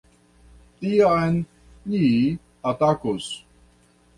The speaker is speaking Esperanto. Tiam, ni atakos.